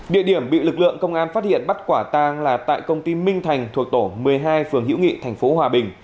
địa điểm bị lực lượng công an phát hiện bắt quả tang là tại công ty minh thành thuộc tổ một mươi hai phường hữu nghị tp hòa bình